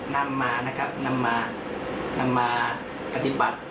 นำมาปฏิบัติ